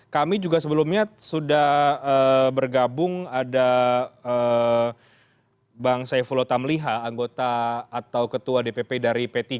kami juga sebelumnya sudah bergabung ada bang saifullah tamliha anggota atau ketua dpp dari p tiga